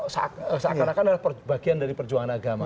seakan akan adalah bagian dari perjuangan agama